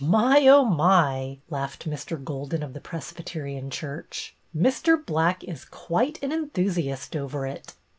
" My, oh, my!" laughed Mr. Golden of the Presbyterian church. " Mr. Black is quite an enthusiast over it."